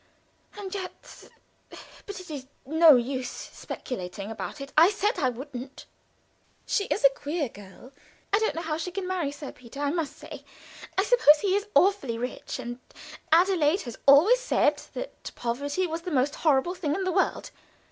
And yet but it is no use speculating about it I said I wouldn't. "She is a queer girl. I don't know how she can marry Sir Peter, I must say. I suppose he is awfully rich, and Adelaide has always said that poverty was the most horrible thing in the world.